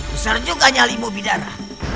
bisa juga nyali mu bidara